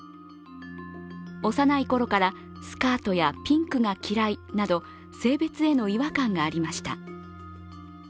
幼いころからスカートやピンクが嫌いなど性別への違和感がありました。